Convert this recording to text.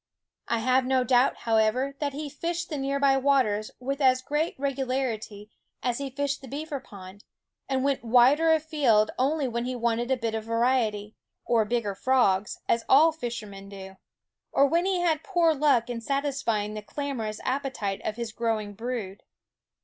I have no doubt, however, that he fished the near by waters with as great regularity as he fished the beaver pond, and went wider afield only when he wanted a bit of variety, or bigger frogs, as all fishermen do; or when he had poor luck in satisfying the clamorous appetite of his growing brood.